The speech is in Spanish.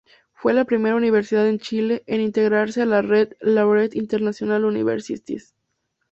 Fue la primera universidad en Chile en integrarse a la red Laureate International Universities.